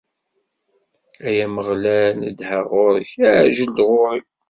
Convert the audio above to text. Ay Ameɣlal, nedheɣ ɣur-k: Ɛjel-d ɣur-i.